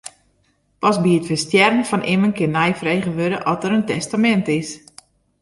Pas by it ferstjerren fan immen kin neifrege wurde oft der in testamint is.